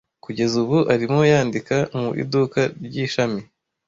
Kugeza ubu, arimo yandika mu iduka ry’ishami.